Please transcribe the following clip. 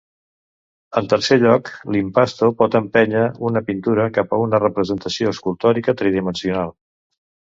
En tercer lloc, l'impasto pot empènyer una pintura cap a una representació escultòrica tridimensional.